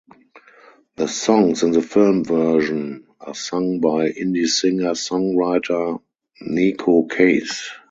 The songs in the film version are sung by indie singer-songwriter Neko Case.